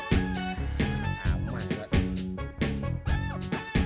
ya abang mau kemana